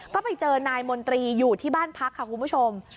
ก็ไปเจอนายมนตรีอยู่ที่บ้านพักค่ะคุณผู้ชม